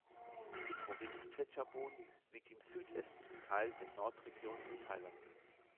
Die Provinz Phetchabun liegt im südöstlichen Teil der Nordregion von Thailand.